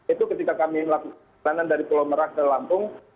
itu ketika kami melakukan perjalanan dari pulau merah ke lampung